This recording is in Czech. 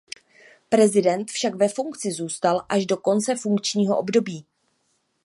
Prezident však ve funkci zůstal až do konce funkčního období.